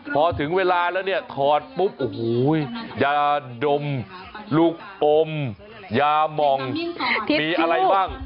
พอถึงเวลาแล้วเนี่ยถอดปุ๊บโอ้โหยาดมลูกอมยามองมีอะไรบ้าง